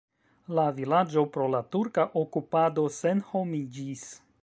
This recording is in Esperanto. La vilaĝo pro la turka okupado senhomiĝis.